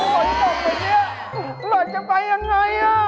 แล้วผลตกอย่างนี้เราจะไปอย่างไร